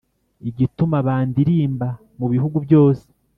Igituma bandilimba mu bihugu byose,